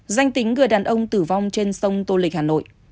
danh tính người đàn ông tử vong trên sông tô lịch hà nội